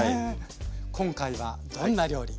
今回はどんな料理？